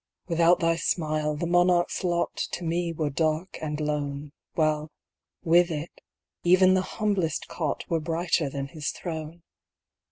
Without thy smile, the monarch's lot To me were dark and lone, While, with it, even the humblest cot Were brighter than his throne.